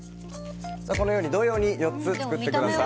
このように同様に４つ作ってください。